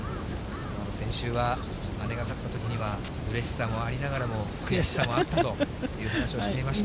先週は、姉が勝ったときには、うれしさもありながらも、悔しさもあったという話をしていました。